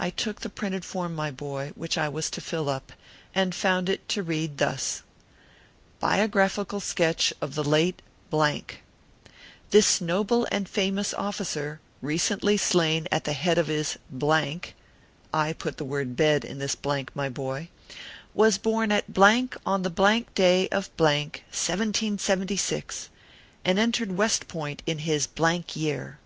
I took the printed form, my boy, which I was to fill up, and found it to read thus :" BIOGRAPHICAL SKETCH OF THE LATE ." This noble and famous officer, recently slain at the head of his (I put the word bed in this blank, my boy), was born at on the day of , 1776, and entered West, Point in his yoar.